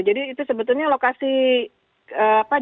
jadi itu sebetulnya lokasi jalan kecil